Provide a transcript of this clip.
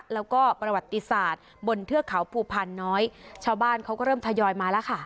แล้วก็ประวัติศาสตร์บนเทือกเขาภูพานน้อยชาวบ้านเขาก็เริ่มทยอยมาแล้วค่ะ